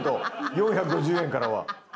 ４５０円からは。